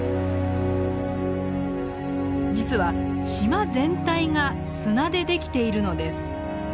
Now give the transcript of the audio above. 実は島全体が砂でできているのです。